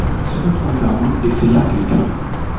Elle se retourne vers nous et c’est là qu’elle crie.